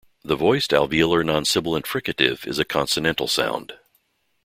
The voiced alveolar non-sibilant fricative is a consonantal sound.